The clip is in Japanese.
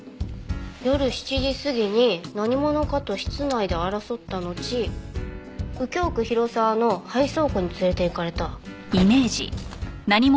夜７時過ぎに何者かと室内で争ったのち右京区広沢の廃倉庫に連れていかれた。